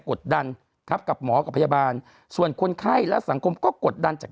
กดดันครับกับหมอกับพยาบาลส่วนคนไข้และสังคมก็กดดันจาก